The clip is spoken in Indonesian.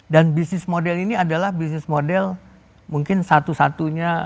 dan bisnis model ini adalah bisnis model mungkin satu satunya